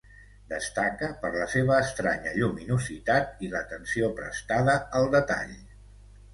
Destaca per la seva estranya lluminositat i l'atenció prestada al detall.